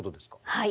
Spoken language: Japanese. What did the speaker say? はい。